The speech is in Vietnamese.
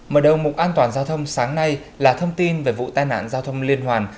mở đầu mục an toàn giao thông sáng nay là thông tin về vụ tai nạn giao thông liên hoàn